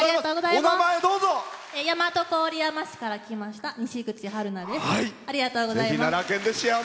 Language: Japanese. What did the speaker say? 大和郡山市から来ましたにしぐちです。